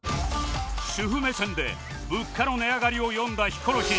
主婦目線で物価の値上がりを詠んだヒコロヒー